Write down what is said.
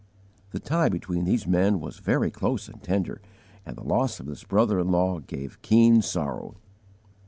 The tie between these men was very close and tender and the loss of this brother in law gave keen sorrow.